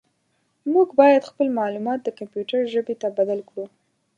موږ باید خپل معلومات د کمپیوټر ژبې ته بدل کړو.